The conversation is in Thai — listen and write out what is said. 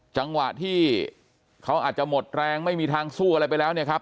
จังหวะที่เขาอาจจะหมดแรงไม่มีทางสู้อะไรไปแล้วเนี่ยครับ